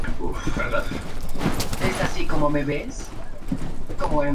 Trabajó todo el día como un burro y durmió como un ceporro